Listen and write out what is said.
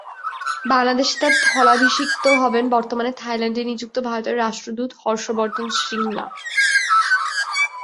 বাংলাদেশে তাঁর স্থলাভিষিক্ত হবেন বর্তমানে থাইল্যান্ডে নিযুক্ত ভারতের রাষ্ট্রদূত হর্ষ বর্ধন শ্রীংলা।